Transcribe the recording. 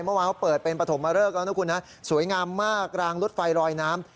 เมื่อวานเขาเปิดเป็นปฐมเริกแล้วนะคุณนะสวยงามมากรางรถไฟรอยน้ำ